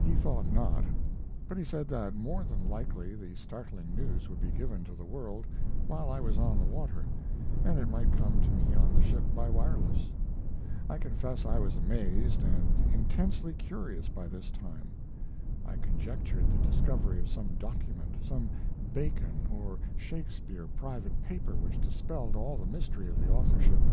He thought not; but he said that more than likely the startling news would be given to the world while I was on the water, and it might come to me on the ship by wireless. I confess I was amazed and intensely curious by this time. I conjectured the discovery of some document some Bacon or Shakespeare private paper which dispelled all the mystery of the authorship.